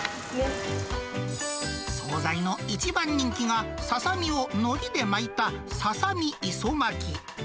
総菜の一番人気が、ささみをのりで巻いたささみ磯巻。